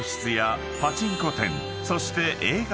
［そして］